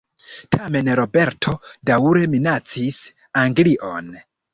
Tamen Roberto daŭre minacis Anglion.